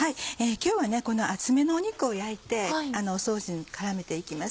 今日はこの厚めの肉を焼いてソースに絡めていきます。